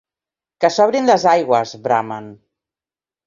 Que s'obrin les aigües, bramen.